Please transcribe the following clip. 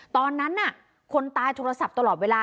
ตอนนั้นคนตายโทรศัพท์ตลอดเวลา